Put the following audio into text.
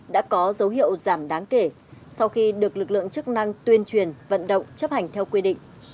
đã có dấu hiệu giảm đáng kể sau khi được lực lượng chức năng tuyên truyền vận động chấp hành theo quy định